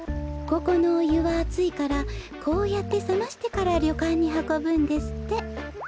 ここのおゆはあついからこうやってさましてからりょかんにはこぶんですって。